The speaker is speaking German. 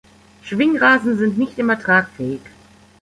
Schwingrasen sind nicht immer tragfähig.